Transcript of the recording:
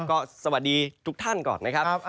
ก็สวัสดีทุกท่านก่อนนะครับ